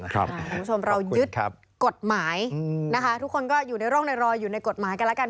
ขอบคุณคุณครับทุกคนก็อยู่ในโรงไลน์รออยู่ในกฎหมายกันละกัน